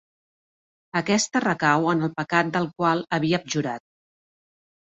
Aquesta recau en el pecat del qual havia abjurat.